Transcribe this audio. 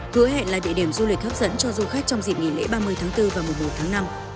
hứa hẹn là địa điểm du lịch hấp dẫn cho du khách trong dịp nghỉ lễ ba mươi tháng bốn và mùa một tháng năm